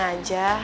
iya pi tenang aja